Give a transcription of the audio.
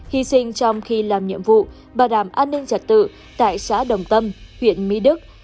hy sinh trong khi làm nhiệm vụ bảo đảm an ninh trật tự tại xã đồng tâm huyện mỹ đức